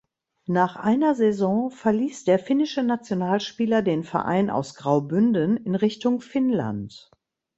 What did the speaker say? Nach einer Saison verliess der finnische Nationalspieler den Verein aus Graubünden in Richtung Finnland.